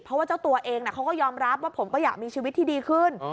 เพราะว่าเจ้าตัวเองเขาก็ยอมรับว่าผมก็อยากมีชีวิตที่ดีขึ้น